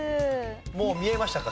もう見えましたか？